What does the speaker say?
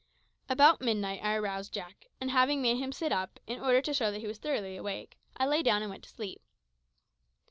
About midnight I aroused Jack, and having made him sit up, in order to show that he was thoroughly awake, I lay down and went to sleep.